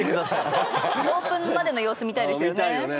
オープンまでの様子見たいですよね